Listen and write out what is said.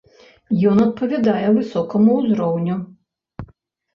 Ён адпавядае высокаму ўзроўню.